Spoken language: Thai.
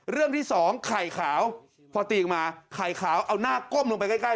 เรื่องที่สองไข่ขาวพอตีออกมาไข่ขาวเอาหน้าก้มลงไปใกล้